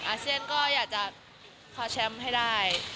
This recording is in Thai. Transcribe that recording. อาเซียนก็อยากจะคว้าแชมป์ให้ได้